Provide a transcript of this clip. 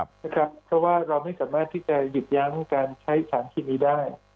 เพราะว่าเราไม่สามารถที่จะหยุดยั้งการใช้สารเคมีได้